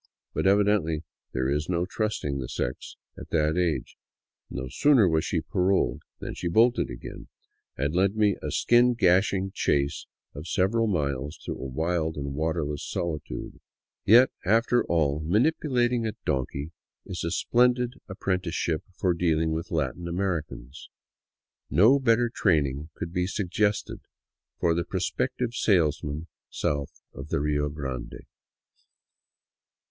But evidently there is no trusting the sex at that age. No sooner was she paroled than she bolted again, and led me a skin gashing chase of several miles through a wild and waterless solitude. Yet, after all, manipulating a donkey is a splendid ap prenticeship for dealing with Latin Americans; no better training could be suggested for the prospective salesman south of the Rio Grande.